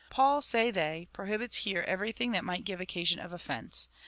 " Paul," say they, "prohibits here everything that may give occasion of offence.